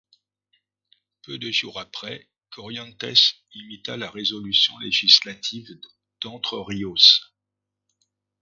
Peu de jours après, Corrientes imita la résolution législative d’Entre Ríos.